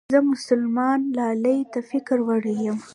زه مسلمان لالي ته فکر وړې يمه